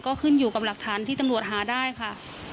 ก็ขึ้นอยู่กับหลักฐานที่ตำรวจหาได้ค่ะ